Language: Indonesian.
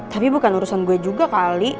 tapi bukan urusan gue juga kali